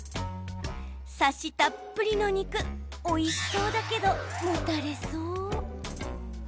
サシたっぷりの肉おいしそうだけど、もたれそう。